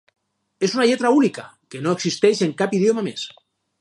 És una lletra única, que no existeix en cap idioma més.